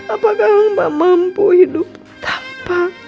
apakah lomba mampu hidup tanpa